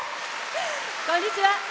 こんにちは。